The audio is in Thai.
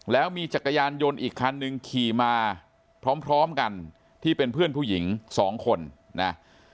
แล้วมีจักรยานยนต์อีกคันนึงขี่มาพร้อมกันที่เป็นเพื่อนผู้หญิงสองคนนะ